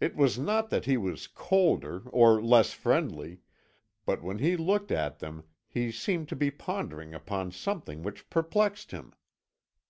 It was not that he was colder or less friendly; but when he looked at them he seemed to be pondering upon something which perplexed him.